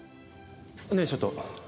ねえちょっと。